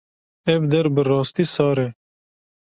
Ev der bi rastî sar e.